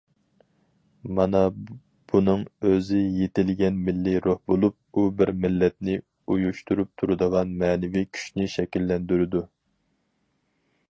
مانا بۇنىڭ ئۆزى يېتىلگەن مىللىي روھ بولۇپ، ئۇ بىر مىللەتنى ئۇيۇشتۇرۇپ تۇرىدىغان مەنىۋى كۈچنى شەكىللەندۈرىدۇ.